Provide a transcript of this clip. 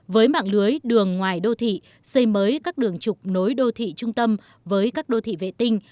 với mạng lưới đường ngoài đô thị xây mới các đường trục nối đô thị trung tâm với các đô thị vệ tinh